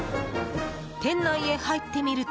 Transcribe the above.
店内へ入ってみると。